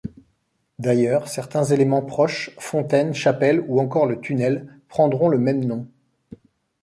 D'ailleurs, certains éléments proches, fontaine, chapelle ou encore le tunnel prendront le même nom.